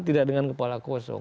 tidak dengan kepala kosong